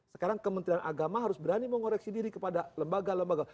sekarang kementerian agama harus berani mengoreksi diri kepada lembaga lembaga